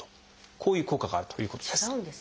こういう効果があるということです。